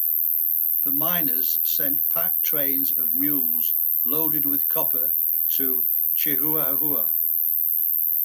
The miners sent pack trains of mules loaded with copper to Chihuahua.